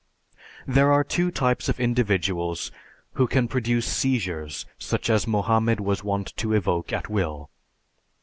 There are two types of individuals who can produce seizures such as Mohammed was wont to evoke at will.